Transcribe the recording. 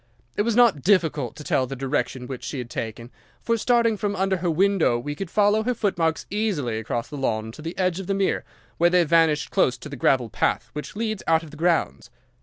It was not difficult to tell the direction which she had taken, for, starting from under her window, we could follow her footmarks easily across the lawn to the edge of the mere, where they vanished close to the gravel path which leads out of the grounds.